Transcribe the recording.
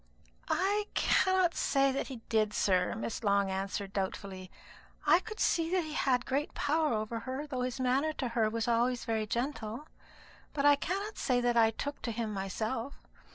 "I cannot say that he did, sir," Miss Long answered doubtfully. "I could see that he had great power over her, though his manner to her was always very gentle; but I cannot say that I took to him myself.